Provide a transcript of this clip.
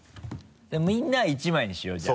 みんなは１枚にしようじゃあ。